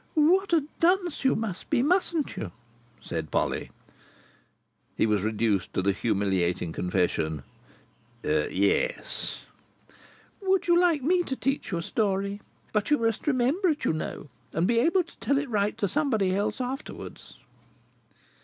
"What a dunce you must be, mustn't you?" said Polly. He was reduced to the humiliating confession: "Yes." "Would you like me to teach you a story? But you must remember it, you know, and be able to tell it right to somebody else afterwards."